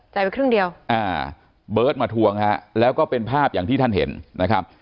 ไปครึ่งเดียวอ่าเบิร์ตมาทวงฮะแล้วก็เป็นภาพอย่างที่ท่านเห็นนะครับ